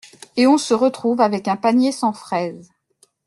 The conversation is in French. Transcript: Et on se retrouve avec un panier sans fraise.